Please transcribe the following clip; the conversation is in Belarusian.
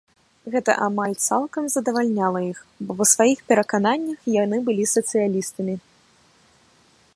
Гэта амаль цалкам задавальняла іх, бо па сваіх перакананнях яны былі сацыялістамі.